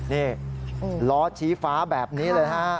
นี่ล้อชี้ฟ้าแบบนี้เลยฮะ